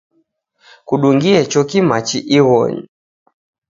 Kudungie choki machi ighonyi